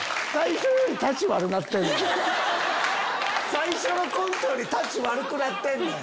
最初のコントよりタチ悪くなってんねん！